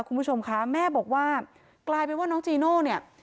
คุณผู้ชมคะแม่บอกว่ากลายเป็นว่าน้องจีโน่เนี่ย